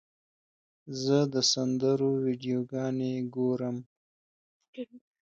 زه د سندرو ویډیوګانې ګورم.